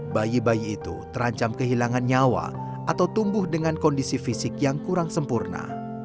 bayi bayi itu terancam kehilangan nyawa atau tumbuh dengan kondisi fisik yang kurang sempurna